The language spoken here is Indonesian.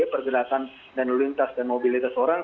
pergerakan dan lulung tas dan mobilitas orang